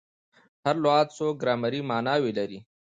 هر لغت څو ګرامري ماناوي لري.